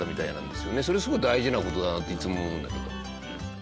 それすごく大事な事だなっていつも思うんだけど。